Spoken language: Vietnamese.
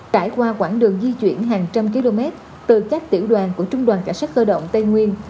trải qua quãng đường di chuyển hàng trăm km từ các tiểu đoàn của trung đoàn cảnh sát cơ động tây nguyên